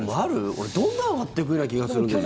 俺、どんどん上がってくような気がするんですけど。